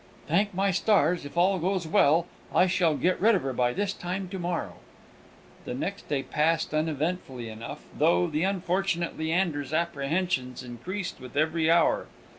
"Thank my stars, if all goes well, I shall get rid of her by this time to morrow!" The next day passed uneventfully enough, though the unfortunate Leander's apprehensions increased with every hour.